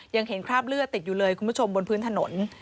ยังเห็นคราบเลือดติดอยู่เลยคุณผู้ชมบนพื้นถนน